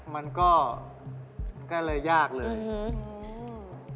มันก็เลยยากเลยอืม